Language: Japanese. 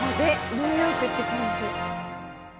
ニューヨークって感じ。